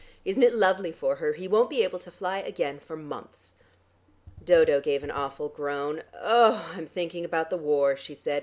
Isn't it lovely for her? He won't be ably to fly again for months." Dodo gave an awful groan. "Oh, I'm thinking about the war," she said.